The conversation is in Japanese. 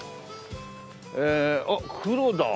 ええあっ黒田。